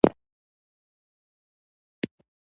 مچمچۍ له ګل سره مینه لري